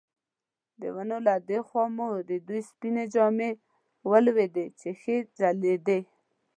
د ونو له دې خوا مو د دوی سپینې جامې ولیدلې چې ښې ځلېدې.